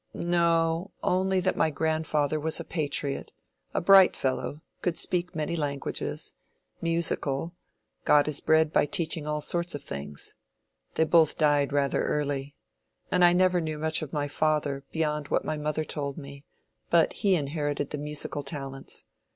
"No; only that my grandfather was a patriot—a bright fellow—could speak many languages—musical—got his bread by teaching all sorts of things. They both died rather early. And I never knew much of my father, beyond what my mother told me; but he inherited the musical talents.